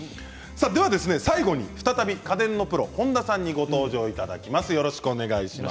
では最後に再び家電のプロ本多さんにご登場いただきます。